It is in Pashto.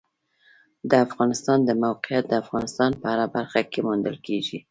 د افغانستان د موقعیت د افغانستان په هره برخه کې موندل کېږي.